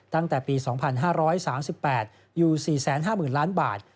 ตั้งแต่ปี๒๕๓๘อยู่๔๕๐๐๐ล้านบาท